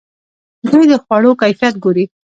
دوی د خوړو کیفیت ګوري.